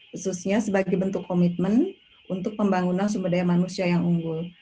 khususnya sebagai bentuk komitmen untuk pembangunan sumber daya manusia yang unggul